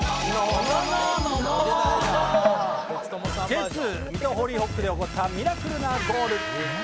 Ｊ２水戸ホーリーホックで起こったミラクルなゴール！